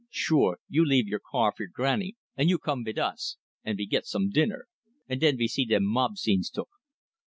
"Sure, you leave your car fer grannie, and you come vit us, and we git some dinner, and den we see dem mob scenes took.